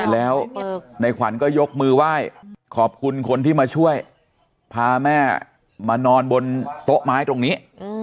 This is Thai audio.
แล้วในขวัญก็ยกมือไหว้ขอบคุณคนที่มาช่วยพาแม่มานอนบนโต๊ะไม้ตรงนี้